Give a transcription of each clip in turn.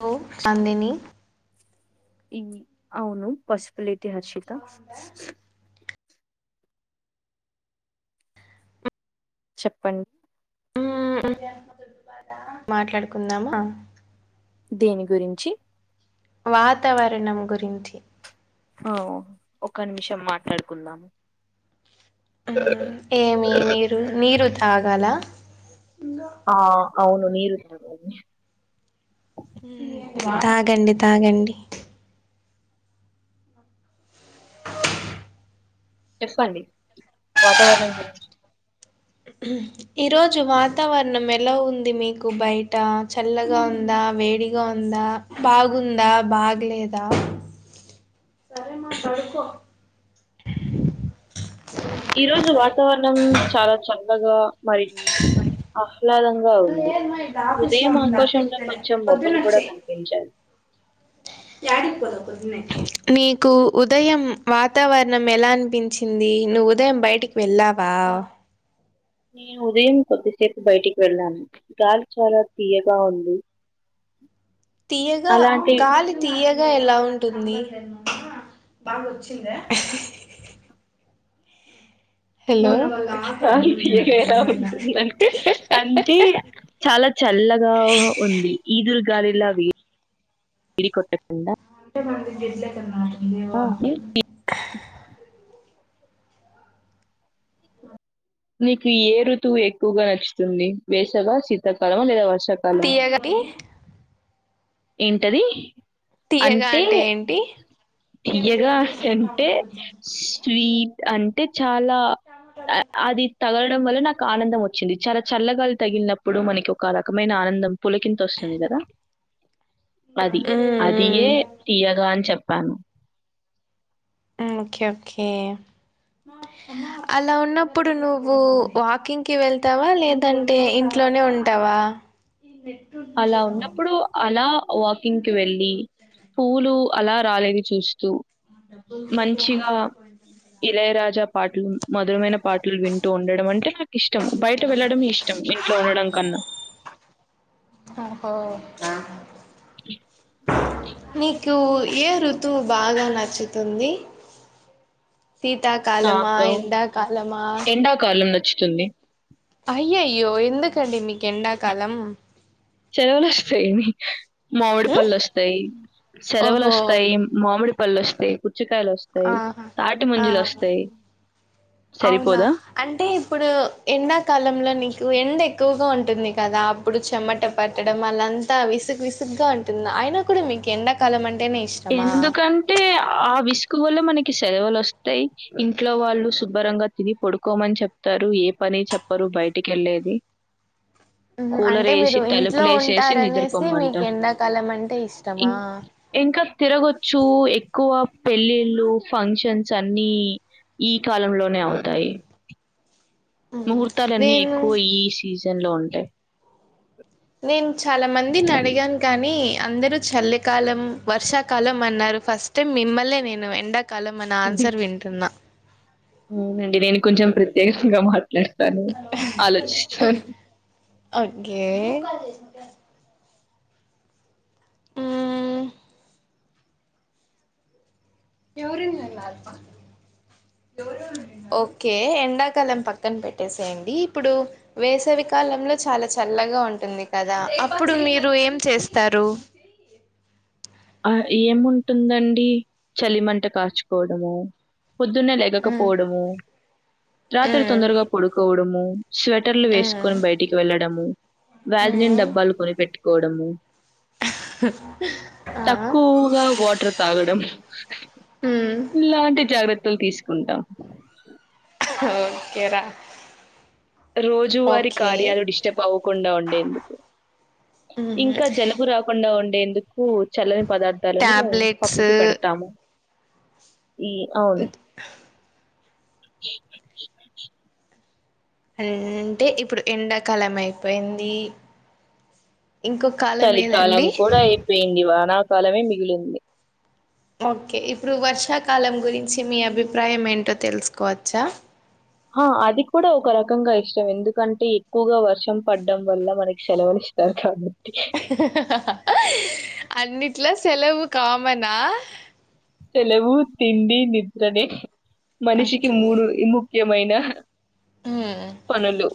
లో నందిని ఈ అవును పసుపులేటి హర్షిత చెప్పం హ్మ్మ్ మ్మ్ మాట్లాడుకుందామా దేని గురించి వాతావరణం గురించి ఓ ఒక నిమిషం మాట్లాడుకుందాము మ్మ్ ఏమే మీరు నీరు తాగాల ఆ అవును నీరు ఉంటది కాదే హ్మ్ తాగండి తాగండి చెప్పండి వాతావరణం గురించి ఈరోజు వాతావరణం ఎలా ఉంది మీకు బయట చల్లగా ఉందా వేడిగా ఉందా బాగుందా బాగ్లేదా సరే మా పడుకో ఈరోజు వాతావరణం చాలా చల్లగా మరియు ఆహ్లాదంగా ఉంది ఉదయం ఆకాశంగా కొంచెం మబ్బులు కూడా కనిపించాయి యాటికి పోదాం నీకు ఉదయం వాతావరణం ఎలా అనిపించింది నువ్వు ఉదయం బయటికి వెళ్ళావా నేను ఉదయం కొద్దిసేపు బయటికి వెళ్ళాను గాలి చాలా తియ్యగా ఉంది తియ్యగా అలాంటి గాలి తియ్య ఎలా ఉంటుంది హలో ఆ ఏముంటుందంటే అంతే ఇగ చాలా చల్లగా హో ఉంది ఈదుర్ గాలిలా వే [inaudible] డి కొట్ట కుండా గడ్ల కన్నా ఆహే [unintelligible] నీకు ఏ రుతువు ఎక్కువగా నచ్చుతుంది వేసగా శీతాకాలం లేదా వ తీయగటి ఏంటది తీయ్యగా అంటే ఏంటి తీయ్యగా అంటే స్వీట్ అంటే చాలా నిద్ తగలడం వల్ల నాకు ఆనందం వచ్చింది చాలా చల్లగాలి తగిలినప్పుడు మనకి ఒక రకమైన ఆనందం పులకి అంతోస్తుంది గాదా అది ఉమ్ అదియే తీయ్యగా అని చెప్పాను ఆఓకే ఓకే అలా ఉన్నప్పుడు నువ్వు వాకింగ్ కి వెళ్తావా లేదంటే ఇంట్లోనే ఉంటావా అలా ఉన్నప్పుడు అలా వాకింగ్కివెళ్ళి పూలు అలా రాలేది చూస్తూ డబ్బులు ప [unintelligible] ఇళయ రాజా పాటలు మధురమైన పాటలు వింటూ ఉండడం అంటే నాకు ఇష్టం బయట వెళ్ళడం ఇష్టం ఇంట్లో ఉండడం కన్నా ఆ నీకు ఏ ఋతువు బాగా నచ్చుతుంది శీతాకాలమా నాకు ఎండాకాలమా ఎండాకాలం నచ్చుతుంది అయ్యయ్యో ఎందుకండి మీకు ఎండాకాలం సెలవులు వస్తాయి అని మామిడి ఉమ్ పళ్ళు వస్తాయి సెలవులు ఓహో వస్తాయి మామిడి పళ్ళు వస్తాయి వస్తాయి ఆహా తాటి ముంజలు ఆ వస్తాయి అవునా అంటే ఇప్పుడు ఎండాకాలంలో నీకు ఎండ ఎ ఎక్కువగా ఉంటుంది కదా అప్పుడు చెమట పట్టడం అళ్లంతా విసుగు విసుగ్గా ఉంటుంది అయినా కూడా మీక్ ఎండాకాలమం ఎందుకంటే ఆ విస్ ఎక్కువల్లో మనకి సెలవులు వస్తాయి ఇంట్లో వాళ్ళు శుభ్రంగా తిని పడుకోమని చెప్తారు ఏ పని చెప్పరు బయటికి వెళ్లేది హ్మ్. కూలర్ అంటే మీరు వేసి ఇంట్లో తలుపులు వేసేసి ఉంటారనేసి మీకు నిద్రపోమ్మంటారు ఎండాకాలం అంటే ఇం ఇష్టమా? ఇంకా తిరగచ్చు ఎక్కువ పెళ్ళిళ్ళు ఫంక్షన్స్ అన్నీ ఈ కాలంలోనే అవుతాయి హ్మ్. ముహూర్తాలన్నీ నేను ఎక్కువ ఈ సీజన్లో ఉంటాయి నేను చాలా మందిని అడిగాను కానీ అందరూ చల్లికాలం వర్షాకాలం అన్నారు ఫస్ట్ టైం మిమ్మల్లే నేను ఎండా కాలం అని హ్మ్. ఆన్సర్ వింటున్న అవునండి నేను కొంచెం ప్రత్యేకంగా మాట్లాడతాను ఆలోచిస్తాను ఓకే హ్మ్ ఎవరుందన్నారు ఓకే ఎండాకాలం పక్కన పెట్టేసేయండి ఇప్పుడు వేసవి కాలంలో చాలా చల్లగా ఉంటుంది కదా అప్పుడు మీరు ఏం చేస్తారు ఏముంటుందండి చలిమంట కాచుకోవడము పొద్దున్నే మ్మ్ లేగకపోవడము రాత్రి మ్మ్ తొందరగా పడుకోవడము స్వెటర్లు మ్మ్ వేసుకొని బయటికి వెళ్లడము వ్యాజలైన్ మ్మ్ డబ్బాలు కొనిపెట్టుకోవడము ఆ తక్కువగా వాటర్ తాగడం మ్మ్ ఇలాంటి జాగ్రత్త లు తీసుకుంటాం ఓకేరా రోజువారి కార్యాలు డిస్టర్బ్ అవ్వకుండా ఉండేందుకు మ్మ్ ఇంకా జలుబు రాకుండా ఉండే కు చల్లని పదార్థాలను టాబ్లెట్స్ పక్కకి పెడతాము ఈ అవును అంటే ఇప్పుడు ఎండాకాలం అయిపోయింది ఇంకో కాలం చలికాలం ఏదండి కూడా అయిపోయింది వానాకాలమే మిగిలింది ఓకే ఇప్పుడు వర్షాకాలం గురించి మీ అభిప్రాయం ఏంటో తెలుసుకోవచ్చా హా అది కూడా ఒక రకంగా ఇష్టం ఎందుకంటే ఎక్కువగా వర్షం పడ్డం వల్ల మనకి శెలవుల్ ఇస్తార్గా హహహ అన్నిట్లా సేలవు కామనా సెలవు తిండి నిద్రనే మనిషికి ఓకే మూడు ముప్ ముఖ్యమైన మ్మ్ పనులు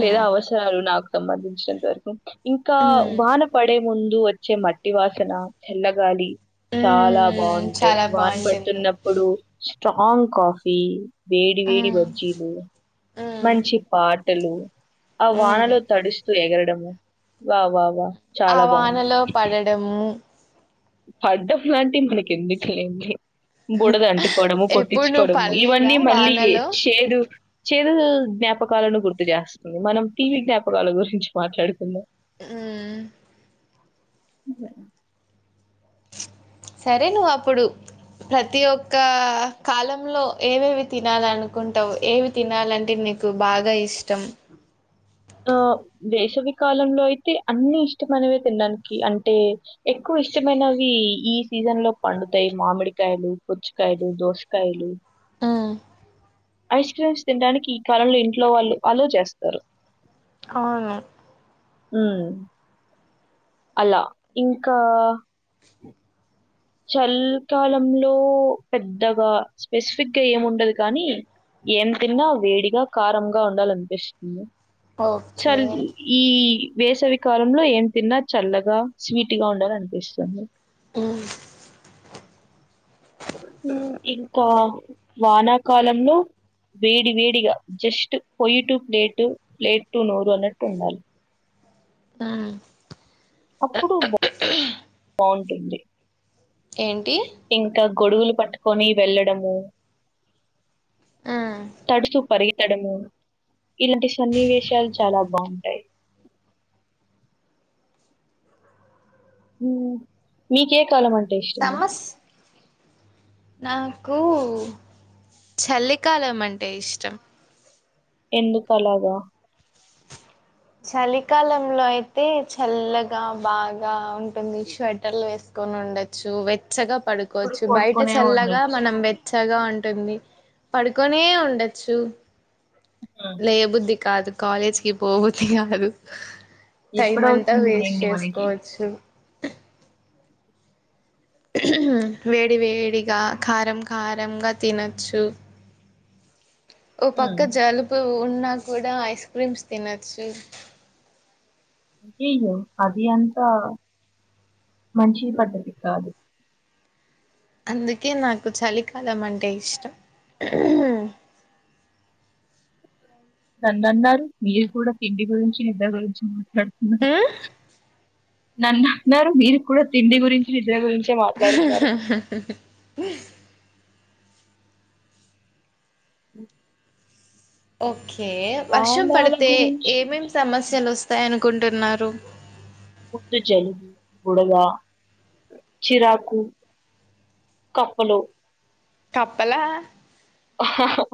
లేదా అవసరాలు నాకు సంబంధించినంత వరకు ఇంకా మ్మ్ వాన పడే ముందు వచ్చే మట్టి వాసన చల్లగాలి చాలా మ్మ్ బాగుంటాయి చాలా వాన బాగుంటుంది పడుతున్నప్పుడు స్ట్రాంగ్ కాఫీ వేడి వేడి మ్మ్ బజ్జీలు మ్మ్ మంచి పాటలు ఆ మ్మ్ వానలో తడుస్తూ ఎగరడము, వా వా వా ఆ వానలో పడడము పడ్డం లాంటి మనకి ఎందుకులేండి బుడద అంటుకోవడము ఎప్పుడు నువ్వు కొట్టించుకోవడము పడలేదా ఇవన్నీ మళ్ళీ వానలో చేదు చేదు జ్ఞాపకాలను గుర్తు జేస్తుంది మనం తీపి జ్ఞాపకాల గురించి మాట్లాడుకుందాం ఉమ్మ్ [unintelligible] [unintelligible] సరే నువ్ అప్పుడు ప్రతి ఒక్క కాలంలో ఏవేవి తినాలి అనుకుంటావు ఏవి తినాలంటే న్ నికు బాగా ఇష్టం [unintelligible] ఆ వేసవికాలంలో అయితే అన్ని ఇష్టమైనవే తినడానికి అంటే ఎక్కువ ఇష్టమైనవి ఈ సీజన్ లో పండుతాయి, మామిడికాయలు, పుచ్చకాయలు, దోసకాయలు, ఆహ్ ఐస్ క్రీమ్స్ తింటానికి ఈ కాలంలో ఇంట్లో వాళ్ళు అలో చేస్తారు అవును ఉ అలా ఇంకా చల్ కాలంలో పెద్దగా స్పెసిఫిక్గా ఏముండదు కానీ ఏం తిన్నా వేడిగా కారంగా ఉండాలనిపిస్తుంది ఓకే చల్ ఈ వేసవికాలంలో ఏం తిన్నా చల్లగా స్వీట్ గా ఉండాలనిపిస్తుంది ఆ ఇంకా వానాకాలంలో వేడి వేడిగా జస్ట్ పొయ్యి టు ప్లేటు ప్లేట్ టు నోరు అన్నట్టు ఉండాలి ఆ అప్పుడు బాగుంటుంది ఏంటి గొడుగులు పట్టుకొని వెళ్ళడము ఆ తడుచు పరిగే గెత్తడము ఇలాంటి సన్నివేశాలు చాలా బాగుంటాయి ఉ మీకే కాలం అండ్ సమస్ నాకు చలికాలం అంటే ఇష్టం ఎందుకు అలాగా చలికాలంలో అయితే చల్లగా బాగా ఉంటుంది స్వెటర్లు వేసుకు కోను ఉండొచ్చు వెచ్చగా ఇప్పుడు పడుకోవచ్చు బయట పడుకునే చల్లగా ఉండొచ్చు. మనం వెచ్చగా ఉం ఉంటుంది పడుకొనే ఉండచ్చు ఉమ్. లేయ బుద్ధి కాదు కాలేజ్ కి పోబుద్ది కాదు టైం అంతా ఎప్పుడవుతుంది వేస్ట్ లెండి మనకి. చేసుకోవచ్చు వేడి వేడిగా కారం కారంగా తినొచ్చు ఓ పక్క జలుబు ఉన్నా కూడా ఐస్ క్రీమ్స్ తినొచ్చు, అయ్యయ్యో అది అంతా మంచి పద్దతి కాదు, అందుకే నాకు చలికాలం అంటే ఇష్టం నన్నాన్నారు మీరు కూడా తిండి గురించి నిద్ర గురించి మాట్లాడుతున్నారు. నన్నన్నారు, మీరు కూడా తిండి గురించి నిద్ర గురిం [unintelligible] [unintelligible] ఓకే వర్షం కాలాల పడితే, గురించి ఏమేం సమస్యలోస్ స్తాయి అనుకుంటున్నారు. ముందు జలుబు, బుడద, చీరాకు కప్పలు కప్పలా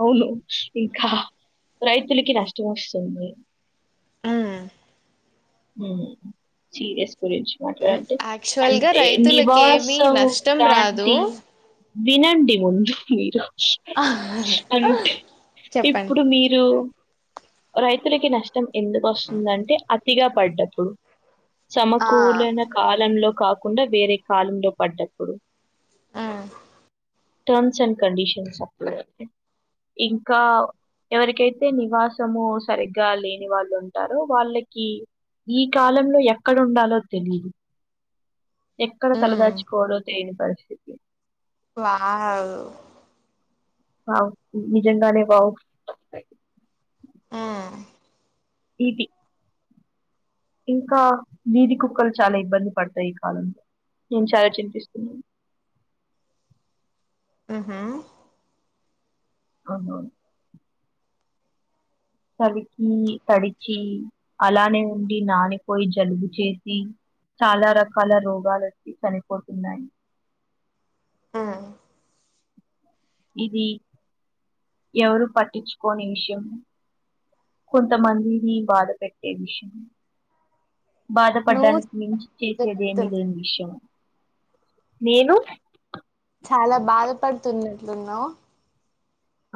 అవును, ఇంకా రైతులకి నష్టం వస్తుంది మ్మ్ ఉమ్ చీ ఎస్ అంటే యాక్చువల్గా రైతులకి ఏమి నివాసం నష్టం రాదు లాంటి వినండి ముందు మీరు అంటే చెప్పండి ఇప్పుడు మీరు రైతులకి నష్టం ఎందుకొస్తుందంటే, అతిగా పడ్డప్పుడు. ఆ సమకూలన కాలంలో కాకుండా వేరే కాలంలో పడ్డప్పుడు. ఆ టర్మ్స్ అండ్ కడిషన్స్ అప్పుడే ఇంకా ఎవరికైతే నివాస్ సము సరిగ్గా లేని వాళ్ళు ఉంటారో వాళ్ళకి ఈ కాలంలో ఎక్కడుండాలో తెలీదు ఎక్కడ మ్మ్. తలదాచుకోవాలో తెలియని పరిస్థితి. వావ్ వావ్ నిజంగానే వావ్ ఆ ఇది ఇంకా వీది కుక్కలు చాలా ఇబ్బంది పడతాయి ఈ కాలంలో నేను చాలా చింతిస్తున్నాను. ఊహూ అవునవును చలికి తడిచి అలానే ఉండి నానిపోయి జలుబు చేసి చాలా రకాల రోగాలోచ్చి చనిపోతున్నాయి. ఆ ఇది ఎవరు పట్టిచ్చుకోని విషయం కొంతమందిని బాధ పెట్టే విషయం. బాధపడ్డానికి మించి చేసేది ఏమీ నువ్వు లేని విషయం. నేను చాలా బాధపడుతున్నట్లున్నవు.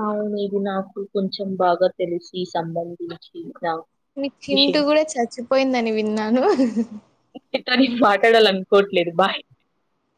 అవును ఇది నాకు కొంచెం బాగా తెలిసి సంబంధించిన నీకు చింత విషయం కూడా చచ్చిపోయిందని విన్నాను. లేదు బాయ్